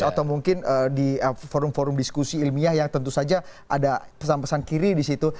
atau mungkin di forum forum diskusi ilmiah yang tentu saja ada pesan pesan kiri di situ